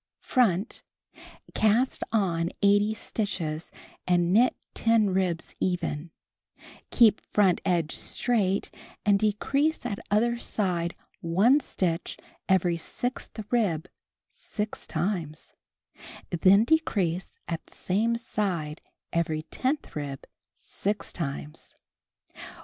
Front. Cast on 80 stitches and knit 10 ribs even; keep front edge straight and decrease at other side one stitch every 6th rib 6 times, then decrease at same side every 10th rib 6 times.